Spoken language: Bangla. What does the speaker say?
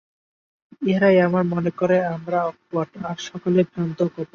ইহারাই আবার মনে করে, আমরা অকপট, আর সকলেই ভ্রান্ত ও কপট।